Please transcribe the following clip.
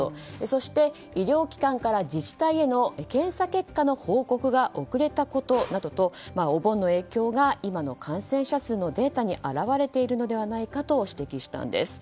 そして、医療機関から自治体への検査結果の報告が遅れたことなどと、お盆の影響が今の感染者数のデータに表れているのではないかと指摘したんです。